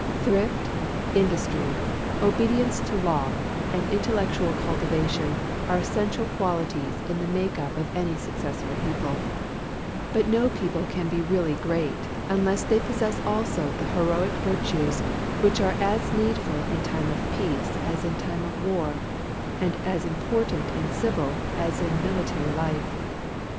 Thrift, industry, obedience to law, and intellectual cultivation are essential qualities in the makeup of any successful people; but no people can be really great unless they possess also the heroic virtues which are as needful in time of peace as in time of war, and as important in civil as in military life.